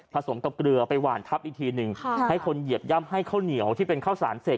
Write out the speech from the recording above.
สมกับเกลือไปหวานทับอีกทีหนึ่งให้คนเหยียบย่ำให้ข้าวเหนียวที่เป็นข้าวสารเสร็จ